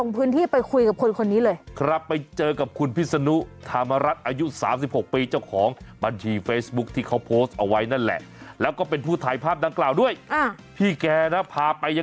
ไม่ว่าจะยังไงผมย้ำตรงนี้